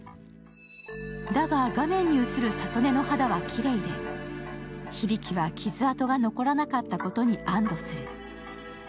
だが、画面に映る郷音の肌はきれいで響は傷痕が残らなかったことに安どする。